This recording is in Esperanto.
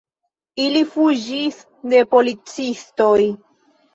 Ili fuĝis de policistoj.